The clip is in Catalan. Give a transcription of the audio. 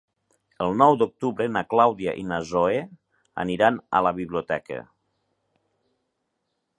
El nou d'octubre na Clàudia i na Zoè aniran a la biblioteca.